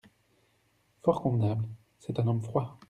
Fort convenable… c’est un homme froid…